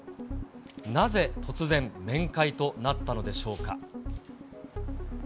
なぜ突然、面会となったのでしょうか。